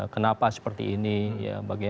kenapa seperti ini